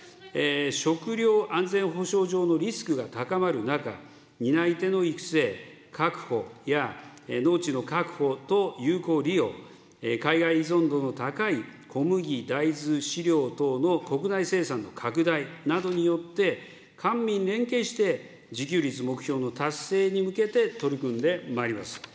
食料安全保障上のリスクが高まる中、担い手の育成、確保や、農地の確保と有効利用、海外依存度の高い小麦、大豆、飼料等の国内生産の拡大などによって、官民連携して、自給率目標の達成に向けて取り組んでまいります。